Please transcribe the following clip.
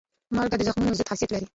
مالګه د زخمونو ضد خاصیت لري.